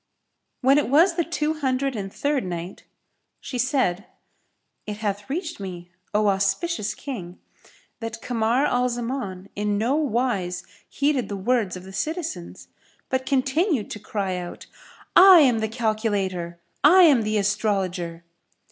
When it was the Two Hundred and Third Night, She said, It hath reached me, O auspicious King, that Kamar al Zaman in no wise heeded the words of the citizens, but continued to cry out, "I am the Calculator! I am the Astrologer!"